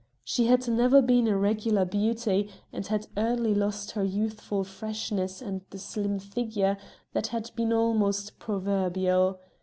She had never been a regular beauty and had early lost her youthful freshness and the slim figure that had been almost proverbial.